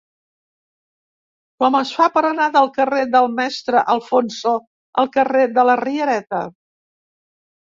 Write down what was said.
Com es fa per anar del carrer del Mestre Alfonso al carrer de la Riereta?